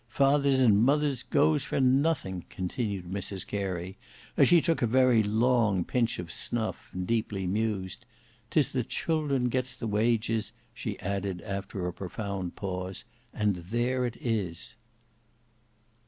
Fathers and mothers goes for nothing," continued Mrs Carey, as she took a very long pinch of snuff and deeply mused. "'tis the children gets the wages," she added after a profound pause, "and there it is."